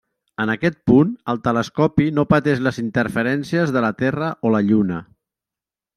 En aquest punt, el telescopi no pateix les interferències de la Terra o la Lluna.